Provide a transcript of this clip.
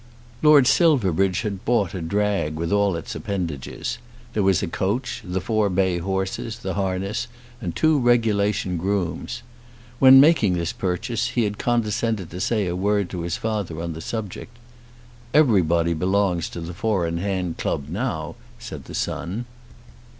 Lord Silverbridge had bought a drag with all its appendages. There was a coach, the four bay horses, the harness, and the two regulation grooms. When making this purchase he had condescended to say a word to his father on the subject. "Everybody belongs to the four in hand club now," said the son.